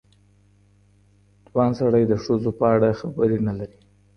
ځوان سړی د ښځو په اړه تجربه نه لري.